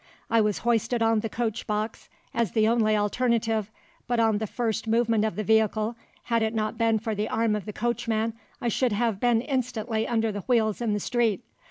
I was hoisted on the coach box as the only alternative; but on the first movement of the vehicle, had it not been for the arm of the coachman, I should have been instantly under the wheels in the street.